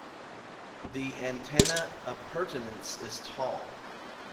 The antenna appurtenance is tall.